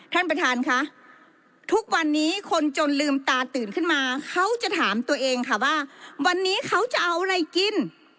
ท่านประธานค่ะทุกวันนี้คนจนลืมตาตื่นขึ้นมาเขาจะถามตัวเองค่ะว่าวันนี้เขาจะเอาอะไรกิน